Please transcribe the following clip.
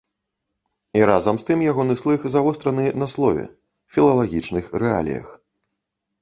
І разам з тым ягоны слых завостраны на слове, філалагічных рэаліях.